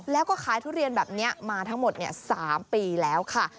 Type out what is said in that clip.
แล้วก็ขายทุเรียนแบบนี้มาทั้งหมด๓ปีแล้วค่ะ